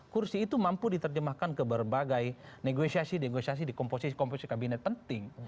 kursi itu mampu diterjemahkan ke berbagai negosiasi negosiasi di komposisi komposisi kabinet penting